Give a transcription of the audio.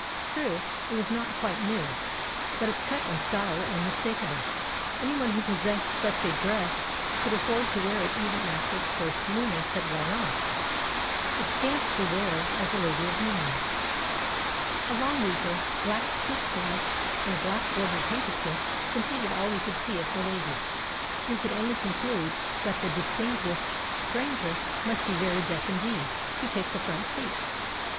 True, it was not quite new, but its cut and style were unmistakable; anyone who possessed such a dress could afford to wear it even after its first newness had worn off; it stamped the wearer as a lady of means. A long weeper, black kid gloves, and a black bordered handkerchief completed all we could see of the lady. We could only conclude that the distinguished stranger must be very deaf indeed, to take the front seat.